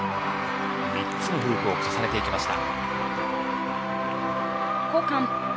３つのフープを重ねていきました。